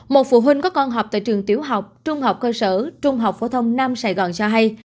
một phụ huynh có con học tại trường tiểu học trung học cơ sở trung học phổ thông nam sài gòn sa hay